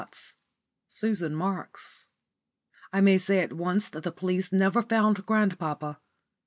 * *SUSAN MARKS.* I may say at once that the police never found grandpapa.